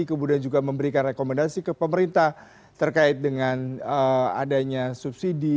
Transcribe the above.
kemudian juga memberikan rekomendasi ke pemerintah terkait dengan adanya subsidi